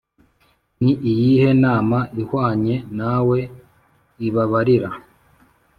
Ni iyihe mana ihwanye nawe ibabarira